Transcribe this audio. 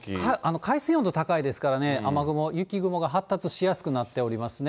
海水温度高いですからね、雨雲、雪雲が発達しやすくなっておりますね。